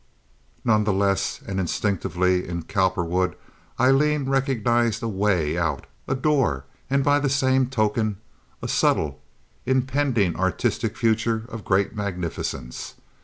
None the less, and instinctively in Cowperwood Aileen recognized a way out—a door—and by the same token a subtle, impending artistic future of great magnificence.